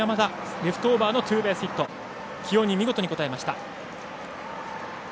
レフトオーバーのツーベースヒット起用に見事に応えました。